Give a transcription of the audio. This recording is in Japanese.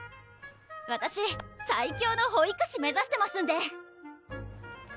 わたし最強の保育士目指してますんで！